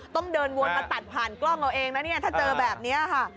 ต้องเดินวนมาตัดผ่านกล้องเอาเองนะเนี่ยถ้าเจอแบบนี้ค่ะ